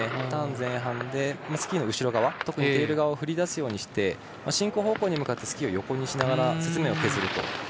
ターン前半でスキーの後ろ側特にテール側を振り出すようにして、進行方向にスキーを横にしながら雪面を削る。